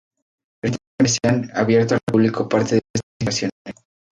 Recientemente se han abierto al público parte de estas instalaciones.